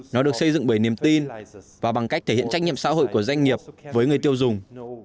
nó được xây dựng bởi niềm tin và bằng cách thể hiện trách nhiệm xã hội của doanh nghiệp với người tiêu dùng